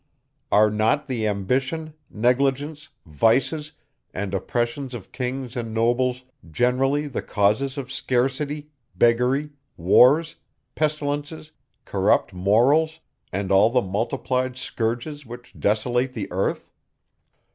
Are not the ambition, negligence, vices, and oppressions of kings and nobles, generally the causes of scarcity, beggary, wars, pestilences, corrupt morals, and all the multiplied scourges which desolate the earth?